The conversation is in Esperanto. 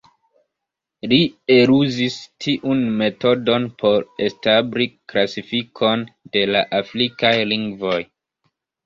Li eluzis tiun metodon por establi klasifikon de la afrikaj lingvoj.